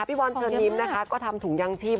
พี่บอลเทอร์นิ้มก็ทำถุงยังชีพ